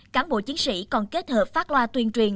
cán bộ chiến sĩ còn kết hợp phát loa tuyên truyền